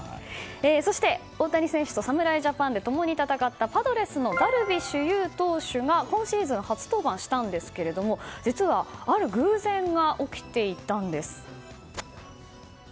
そして、大谷選手と侍ジャパンで共に戦ったパドレスのダルビッシュ有投手が今シーズン初登板したんですけれども実はある偶然が起きていたんです。